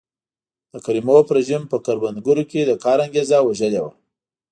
د کریموف رژیم په کروندګرو کې د کار انګېزه وژلې وه.